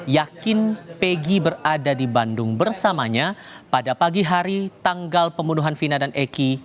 yakin pegi berada di bandung bersamanya pada pagi hari tanggal pembunuhan vina dan eki